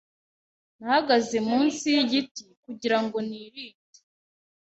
Nahagaze munsi yigiti kugirango nirinde.